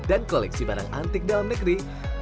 dan koleksi barang antik dalam negeri